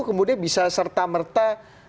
kemudian bisa serta merta